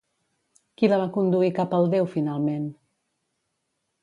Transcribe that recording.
Qui la va conduir cap al déu finalment?